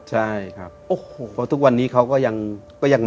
ใช่ครับโอ้โหเพราะทุกวันนี้เขาก็ยัง